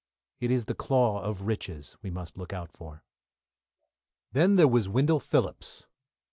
It is the claw of riches we must look out for. Then there was Wendell Phillips!